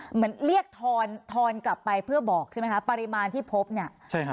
เหมือนเรียกทอนทอนกลับไปเพื่อบอกใช่ไหมคะปริมาณที่พบเนี่ยใช่ฮะ